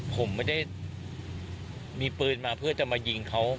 ผมไม่ได้มีปืนมาเพื่อจะมายิงเขา